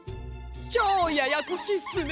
チョウややこしいっすね。